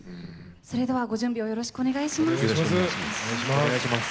それではご準備をよろしくお願いします。